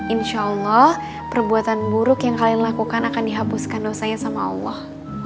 insya allah perbuatan buruk yang kalian lakukan akan dihapuskan dosanya sama allah